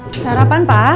kamu mau mau gimana tuh